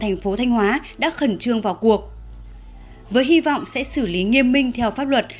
thành phố thanh hóa đã khẩn trương vào cuộc với hy vọng sẽ xử lý nghiêm minh theo pháp luật